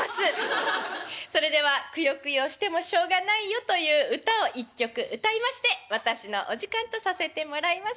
それではくよくよしてもしょうがないよという唄を一曲歌いまして私のお時間とさせてもらいます。